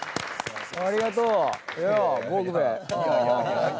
ありがとう！よう。